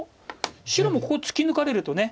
白もここを突き抜かれるとね。